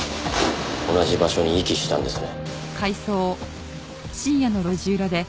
同じ場所に遺棄したんですね？